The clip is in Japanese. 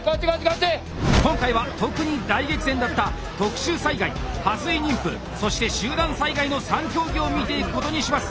今回は特に大激戦だった「特殊災害」「破水妊婦」そして「集団災害」の３競技を見ていくことにします。